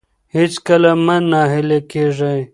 هیڅکله مه نه هیلي کیږئ.